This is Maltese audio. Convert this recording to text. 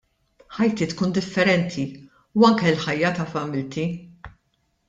Ħajti tkun differenti u anke l-ħajja ta' familti!